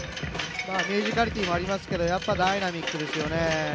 ミュージカリティーもありますけどやっぱダイナミックですよね。